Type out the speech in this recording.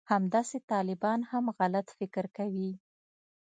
همداسې طالبان هم غلط فکر کوي